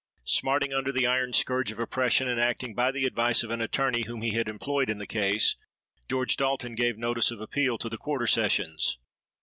Smarting under the iron scourge of oppression, and acting by the advice of an attorney whom he had employed in the case, George Dalton gave notice of appeal to the Quarter Sessions.